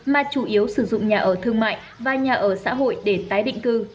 mà chủ yếu sử dụng nhà ở thương mại và nhà ở xã hội để tái định cư